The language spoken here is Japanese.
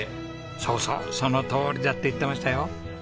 そうそうそのとおりだって言ってましたよ。